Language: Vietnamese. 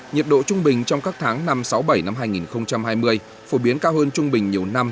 nhiệt độ trung bình trong các tháng năm sáu bảy năm hai nghìn hai mươi phổ biến cao hơn trung bình nhiều năm